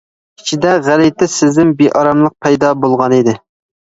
ئىچىدە غەلىتە سېزىم، بىئاراملىق پەيدا بولغانىدى.